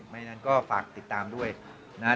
อย่างนั้นก็ฝากติดตามด้วยนะฮะ